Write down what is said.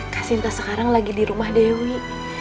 kasinta sekarang lagi dirumah dewi